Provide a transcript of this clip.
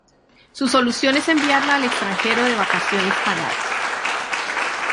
Su solución es enviarla al extranjero de vacaciones pagadas.